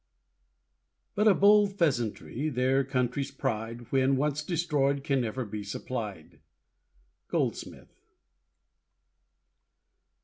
But a bold pheasantry, their country's pride When once destroyed can never be supplied. GOLDSMITH.